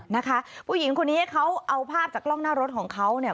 นะคะผู้หญิงคนนี้เขาเอาภาพจากกล้องหน้ารถของเขาเนี่ย